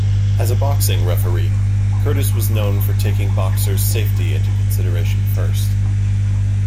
As a boxing referee, Curtis was known for taking boxer's safety into consideration first.